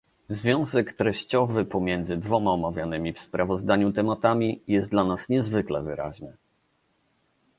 Związek treściowy pomiędzy dwoma omawianymi w sprawozdaniu tematami jest dla nas niezwykle wyraźny